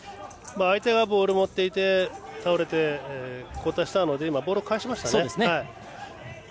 相手がボール持っていて倒れて交代したのでボールを返しましたね。